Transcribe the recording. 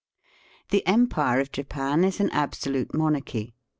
The empire of Japan is an absolute monarchy.